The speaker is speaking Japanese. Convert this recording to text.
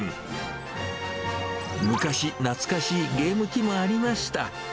昔懐かしいゲーム機もありました。